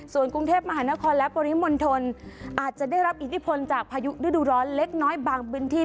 ส่วนกรุงเทพมหานครและปริมณฑลอาจจะได้รับอิทธิพลจากพายุฤดูร้อนเล็กน้อยบางพื้นที่